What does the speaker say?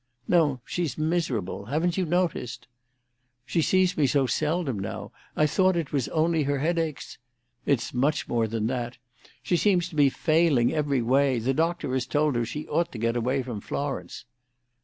"No; she's miserable. Haven't you noticed?" "She sees me so seldom now. I thought it was only her headaches——" "It's much more than that. She seems to be failing every way. The doctor has told her she ought to get away from Florence."